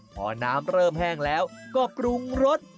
พอน้ำเริ่มแห้งแล้วก็ปรุงรส